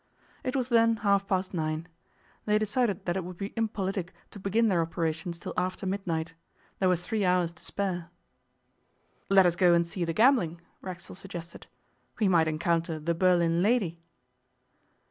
It was then half past nine. They decided that it would be impolitic to begin their operations till after midnight. There were three hours to spare. 'Let us go and see the gambling,' Racksole suggested. 'We might encounter the Berlin lady.